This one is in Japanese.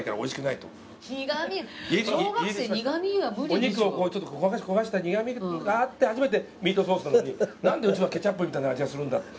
お肉を焦がした苦みがあって初めてミートソースなのになんでうちはケチャップみたいな味がするんだって。